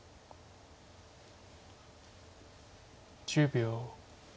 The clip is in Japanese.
１０秒。